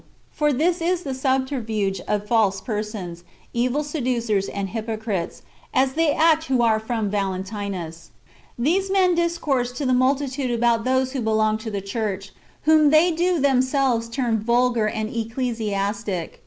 For this is the subterfuge of false persons, evil seducers, and hypocrites, as they act who are from Valentinus. These men discourse to the multitude about those who belong to the church, whom they do themselves term " vulgar," and "ecclesiastic."